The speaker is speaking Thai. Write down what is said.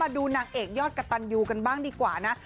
ดูนางเอกยอดกระตันยูกันบ้างดีกว่านะ